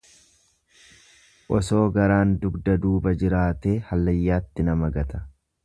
Osoo garaan dugda duuba jiraatee hallayyaatti nama gata.